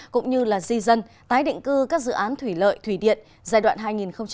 cũng như di dân tái định cư các dự án thủy lợi thủy điện giai đoạn hai nghìn một mươi sáu hai nghìn hai mươi năm